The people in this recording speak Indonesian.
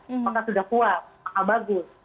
apakah sudah puas apakah bagus